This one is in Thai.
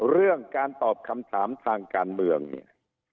เรื่องการตอบคำถามทางการเมืองเนี่ย